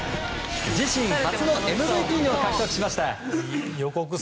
自身初のＭＶＰを獲得しました。